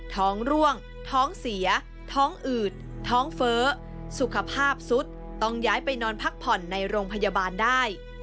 ท้องร่วงท้องเสียท้องอืดท้องเฟ้อสุขภาพสุดต้องย้ายไปนอนพักผ่อนในโรงพยาบาลได้